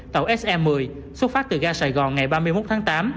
tàu se một mươi xuất phát từ ga sài gòn ngày ba mươi một tháng tám